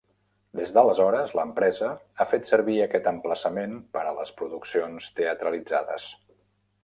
Des d'aleshores, l'empresa ha fet servir aquest emplaçament per a les produccions teatralitzades.